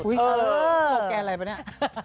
โอ้ยพวกแกอะไรปะนี้